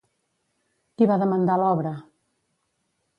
Qui va demandar l'obra?